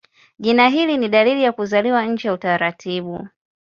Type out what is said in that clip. Jina hili ni dalili ya kuzaliwa nje ya utaratibu.